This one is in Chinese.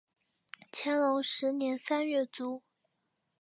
乾隆十年三月卒。